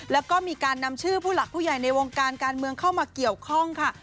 แล้วก็มีการนำชื่อผู้หลักผู้ใหญ่ในวงการการเมืองเข้ามาเกี่ยวข้องค่ะ